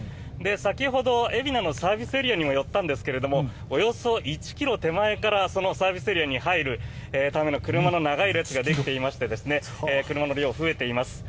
先ほど海老名のサービスエリアにも寄ったんですがおよそ１ｋｍ手前からそのサービスエリアに入るための車の長い列ができていまして車の量が増えています。